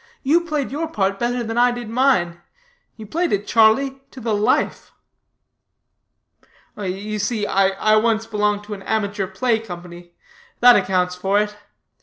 You played your part better than I did mine; you played it, Charlie, to the life." "You see, I once belonged to an amateur play company; that accounts for it.